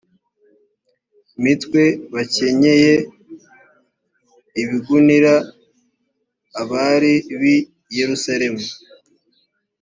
mitwe bakenyeye ibigunira abari b i yerusalemu